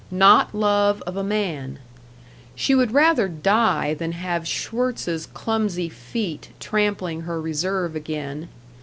Not love of a man. She would rather die than have Schwirtz's clumsy feet trampling her reserve again.